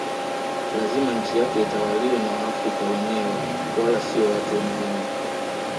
Lazima nchi yake itawaliwe na waafrika wenyewe wala sio watu wengine